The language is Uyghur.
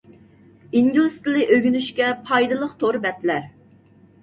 ئىنگلىز تىلى ئۆگىنىشكە پايدىلىق تور بەتلەر.